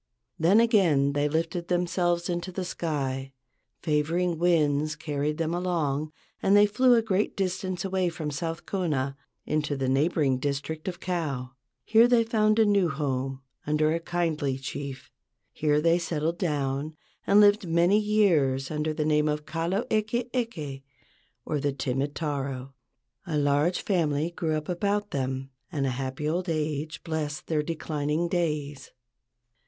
Then again they lifted themselves into the sky. Favoring winds carried them along and they flew a great distance away from South Kona into the neighboring district of Kau. Here they found a new home under a kindly chief. Here they settled down and lived many years under the name of Kalo eke eke, or "The Timid Taro." A large family grew up about them and a happy old age blessed their declining days.